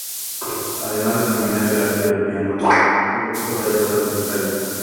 Además de dominar el arte de piano, compuso varias obras musicales.